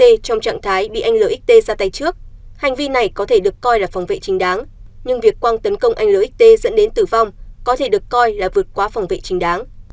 anh lxt trong trạng thái bị anh lxt ra tay trước hành vi này có thể được coi là phòng vệ trình đáng nhưng việc quang tấn công anh lxt dẫn đến tử vong có thể được coi là vượt qua phòng vệ trình đáng